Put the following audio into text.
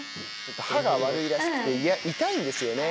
歯が悪いらしくて痛いんですよね。